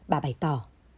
bà bày tỏ